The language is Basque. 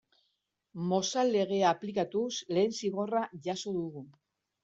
Mozal Legea aplikatuz lehen zigorra jaso dugu.